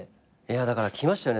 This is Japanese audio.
だから来ましたよね